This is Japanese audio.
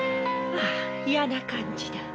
ああ嫌な感じだ。